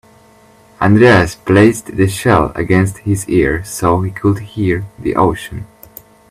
Andreas placed the shell against his ear so he could hear the ocean.